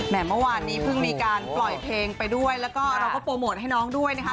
เมื่อวานนี้เพิ่งมีการปล่อยเพลงไปด้วยแล้วก็เราก็โปรโมทให้น้องด้วยนะคะ